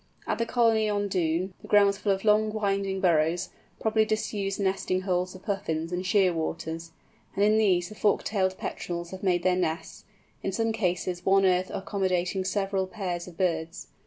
At the colony on Doon, the ground was full of long, winding burrows, probably disused nesting holes of Puffins and Shearwaters, and in these the Fork tailed Petrels had made their nests—in some cases one earth accommodating several pairs of birds.